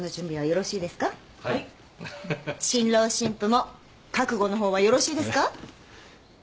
新郎新婦も覚悟の方はよろしいですか？